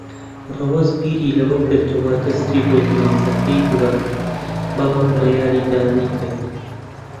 ڕەوەز بیری لەوە کردەوە دەستی بۆ دەمانچەکەی ببات، بەڵام بڕیاری دا نەیکات.